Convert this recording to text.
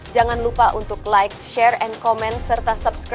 jangan lupa untuk like share and comment